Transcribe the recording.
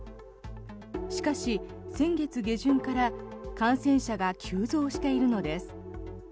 しかし、先月下旬から感染者が急増しているのです。